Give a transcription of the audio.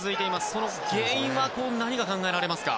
その原因は何が考えられますか。